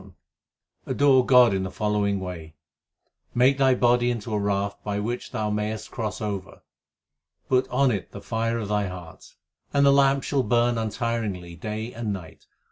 HYMNS OF GURU NANAK 349 Adore God 1 in the following way Make thy body into a raft 2 by which thou mayest cross over. Put on it the fire of thy heart, And the lamp shall burn untiringly day and night.